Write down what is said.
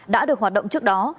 đã được hoạt động trước đó